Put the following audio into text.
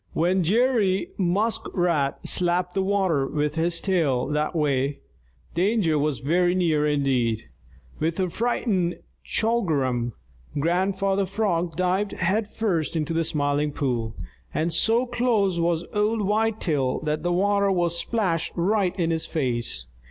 When Jerry Muskrat slapped the water with his tail that way, danger was very near indeed. With a frightened "Chugarum!" Grandfather Frog dived head first into the Smiling Pool, and so close was old Whitetail that the water was splashed right in his face.